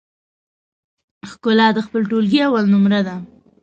ښکلا د خپل ټولګي اول نمره ده